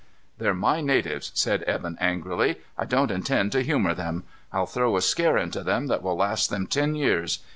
"They're my natives," said Evan angrily. "I don't intend to humor them. I'll throw a scare into them that will last them ten years.